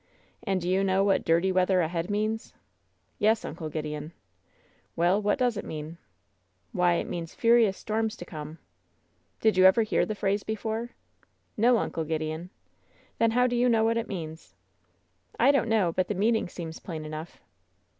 "And do you know what ^dirty weather aheadV means ?" "Yes, Uncle Gideon." "Well, what does it mean?" "Why, it means furious storms to come." "Did you ever hear the phrase before?" "No, Uncle Gideon." "Then how do you know what it meaiis?" "I don't know; but the meaning seems plain enough."